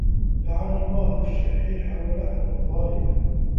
لَعَنَ اللَّهُ الشَّحِيحَ وَلَعَنَ الظَّالِمَ